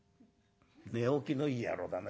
「寝起きのいい野郎だね